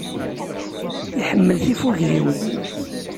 Iḥemmel tifugliwin.